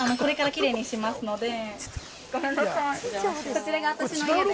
こちらが私の家です